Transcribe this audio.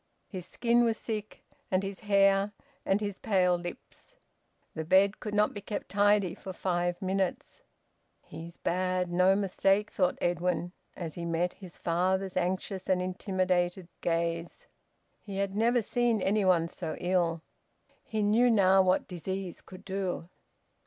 His skin was sick, and his hair, and his pale lips. The bed could not be kept tidy for five minutes. "He's bad, no mistake!" thought Edwin, as he met his father's anxious and intimidated gaze. He had never seen anyone so ill. He knew now what disease could do.